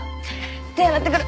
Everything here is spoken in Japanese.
手洗ってくる。